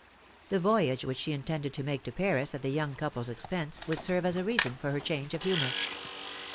The voyage which she intended to make to Paris at the young couple's expense would serve as a reason for her change of humor.